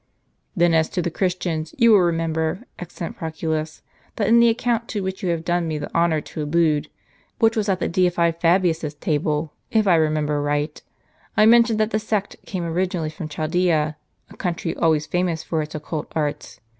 " Then, as to the Christians ; you will remember, excellent Proculus, that in the account to which you have done me the honor to allude, which was at the deified Fabius's table, if I remember right, I mentioned that the sect came originally from Chaldtea, a country always famous for its occult arts.